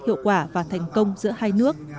hiệu quả và thành công giữa hai nước